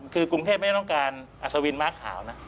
คือกรุงเทพไม่ได้ต้องการอัศวินม้าขาวนะ